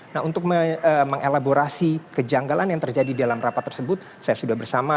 nah untuk mengelaborasi kejanggalan yang terjadi dalam rapat tersebut saya sudah bersama